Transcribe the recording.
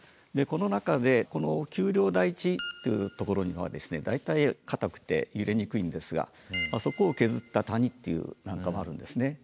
この中でこの丘陵・台地っていうところは大体固くて揺れにくいんですがそこを削った谷っていうなんかもあるんですね。